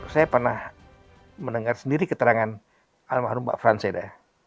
saya pernah mendengar sendiri keterangan al mahrum mbak franseda